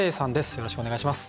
よろしくお願いします。